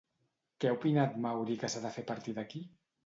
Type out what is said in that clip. Què ha opinat Mauri que s'ha de fer a partir d'aquí?